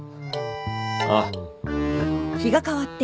ああ。